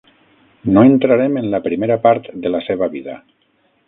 No entrarem en la primera part de la seva vida.